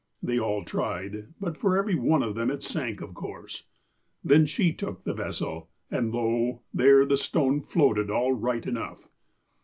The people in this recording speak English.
They all tried, but for every one of them it sank, of course. Then she took the vessel, and, lo ! there the stone floated all right enough.